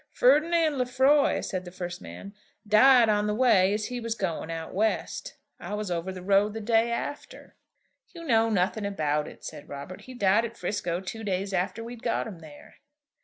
"Ferdinand Lefroy," said the first man, "died on the way as he was going out West. I was over the road the day after." "You know nothing about it," said Robert. "He died at 'Frisco two days after we'd got him there."